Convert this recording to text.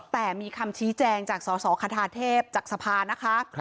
แต่มีคำชี้แจงจากสสคทาเทพจากสภานะคะ